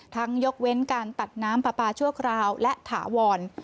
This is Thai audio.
ยกเว้นการตัดน้ำปลาปลาชั่วคราวและถาวร